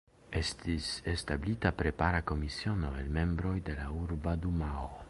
Estis establita prepara komisiono el membroj de la urba dumao.